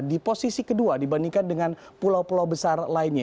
di posisi kedua dibandingkan dengan pulau pulau besar lainnya